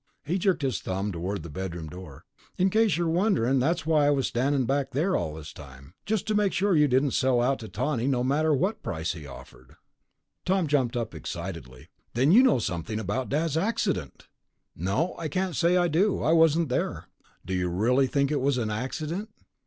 He jerked his thumb toward the bedroom door. "In case you're wondering, that's why I was standin' back there all this time ... just to make sure you didn't sell out to Tawney no matter what price he offered." Tom jumped up excitedly. "Then you know something about Dad's accident!" "No, I can't say I do. I wasn't there." "Do you really think it was an accident?"